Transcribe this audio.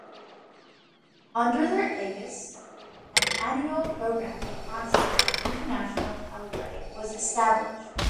Under their aegis an annual programme of concerts of international calibre was established.